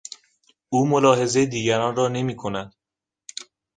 او ملاحظهی دیگران را نمیکند.